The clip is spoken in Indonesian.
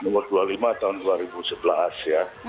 nomor dua ribu lima tahun dua ribu sebelas